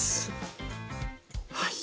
はい！